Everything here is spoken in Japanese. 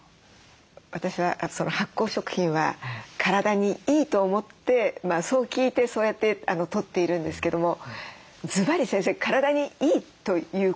私は発酵食品は体にいいと思ってそう聞いてそうやってとっているんですけどもずばり先生体にいいということなんでしょうか？